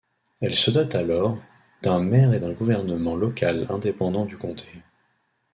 Elle se dote alors d'un maire et d'un gouvernement local indépendant du comté.